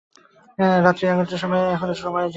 রাত্তির সাড়ে এগারোটায়, সে এখনো ঢের সময় আছে।